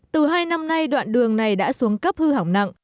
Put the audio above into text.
từ hai năm nay đoạn đường này đã xuống cấp hư hỏng nặng